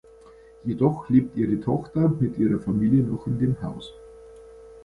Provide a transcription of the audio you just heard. Jedoch lebt ihre Tochter mit ihrer Familie noch in dem Haus.